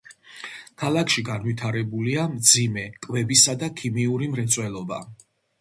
ქალაქში განვითარებულია მძიმე, კვებისა და ქიმიური მრეწველობა.